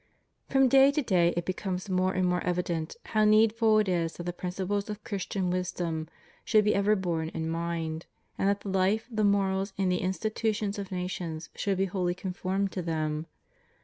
From day to day it becomes more and more evident how needful it is that the principles of Christian wisdom should be ever borne in mind, and that the Ufe, the morals, and the institutions of nations should be wholly conformed to them.